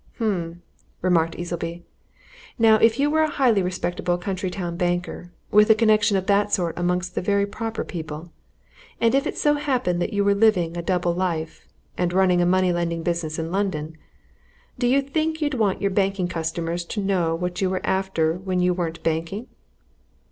"Um!" remarked Easleby. "Now, if you were a highly respectable country town banker, with a connection of that sort amongst very proper people, and if it so happened that you were living a double life, and running a money lending business in London, do you think you'd want your banking customers to know what you were after when you weren't banking!"